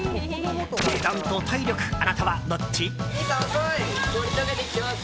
値段と体力、あなたはどっち？